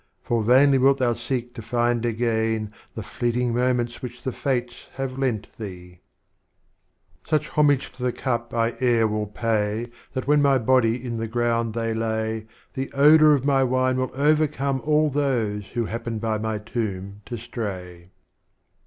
For vainly wilt thou seek to find again The Fleeting Moments which the Fates have lent thee. Strophes of Omar Khayyam. XVI. Such Homage to the Cup I ere will pay That when my Bodj'^ in the Gi'ound they lay, The Odor of my Wine will overcome All those who happen by my Tomb to stray.